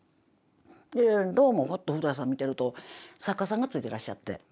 でどうもふっと古さん見てると作家さんがついてらっしゃって。